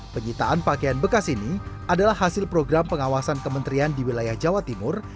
penyitaan pakaian bekas ini adalah hasil program pengawasan kementerian di wilayah jawa timur